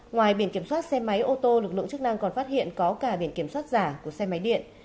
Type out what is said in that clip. ngoài biển kiểm soát xe máy ô tô lực lượng chức năng còn phát hiện có cả biển kiểm soát giả của xe máy điện